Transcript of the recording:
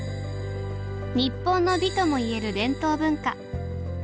日本の美ともいえる伝統文化。